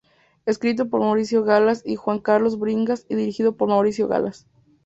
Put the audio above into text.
Escrito por Mauricio Galaz y Juan Carlos Bringas y dirigido por Mauricio Galaz.